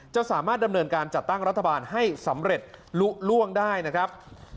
จะสามารถดำเนินการจัดตั้งรัฐบาลให้สำเร็จลุล่วงได้นะครับ